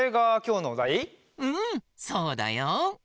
うんそうだよ。